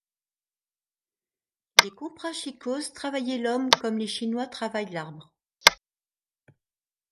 Les comprachicos travaillaient l’homme comme les chinois travaillent l’arbre.